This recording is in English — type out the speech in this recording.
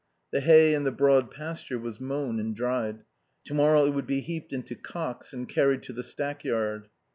The hay in the Broad Pasture was mown and dried. Tomorrow it would be heaped into cocks and carried to the stackyard.